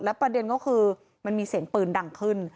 ประเด็นก็คือมันมีเสียงปืนดังขึ้น